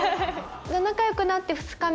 仲良くなって２日目。